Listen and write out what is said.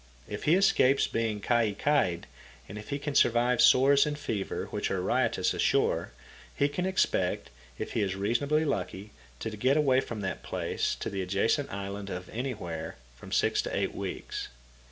If he escapes being kai kai'd, and if he can survive sores and fever which are riotous ashore, he can expect, if he is reasonably lucky, to get away from that place to the adjacent island in anywhere from six to eight weeks.